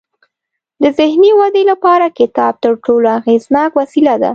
د ذهني ودې لپاره کتاب تر ټولو اغیزناک وسیله ده.